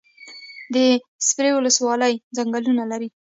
د سپیرې ولسوالۍ ځنګلونه لري